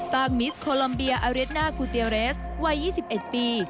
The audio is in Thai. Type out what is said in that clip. มิสโคลอมเบียอาริสน่ากูเตียเรสวัย๒๑ปี